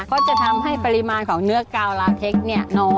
เพราะจะทำให้ปริมาณของเนื้อกาวลาเท็กน้อย